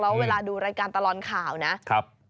แล้วเวลาดูรายการตลอดข่าวนะครับ